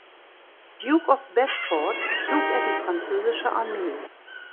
Duke of Bedford schlug er die französische Armee.